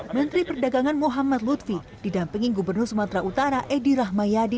menteri perdagangan muhammad lutfi didampingi gubernur sumatera utara edi rahmayadi